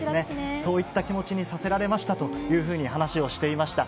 そういった気持ちにさせられましたというふうに、話をしてました。